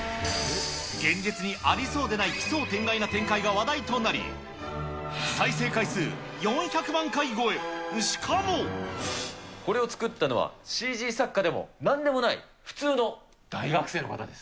現実にありそうでない奇想天外な展開が話題となり、再生回数４００万回超え、これを作ったのは、ＣＧ作家でもなんでもない、普通の大学生の方です。